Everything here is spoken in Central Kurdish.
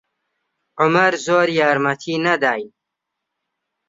عومەر زۆر یارمەتی نەداین.